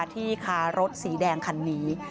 ที่คารถสีแดงคันนี้